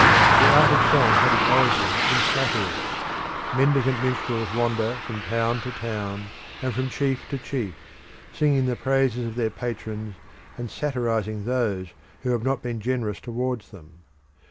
The art of song had its origin in flattery. Mendicant minstrels wander from town to town, and from chief to chief, singing the praises of their patrons and satirising those who have not been generous towards them.